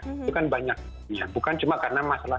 itu kan banyak bukan cuma karena masalah